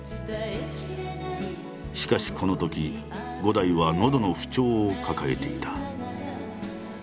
しかしこのとき伍代は喉の不調を抱えていた。